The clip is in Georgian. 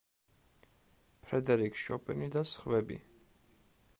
ფრედერიკ შოპენი და სხვები.